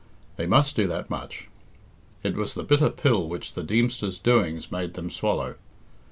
They must do that much. It was the bitter pill which the Deemster's doings made them swallow.